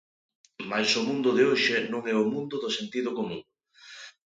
Mais o mundo de hoxe non é o mundo do sentido común.